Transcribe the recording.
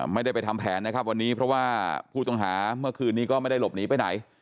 ไม่ได้ไปทำแผนนะครับวันนี้เพราะว่าผู้ต้องหาเมื่อคืนนี้ก็ไม่ได้หลบหนีไปไหน